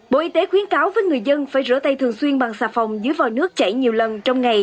bộ y tế khuyến cáo với người dân phải rửa tay thường xuyên bằng xà phòng dưới vòi nước chảy nhiều lần trong ngày